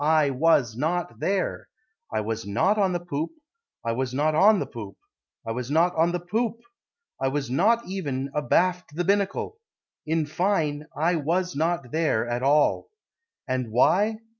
I was not there; I was not on the poop, I was not on the poop, I was not on the poop, I was not even abaft the binnacle, In fine, I was not there at all. And why?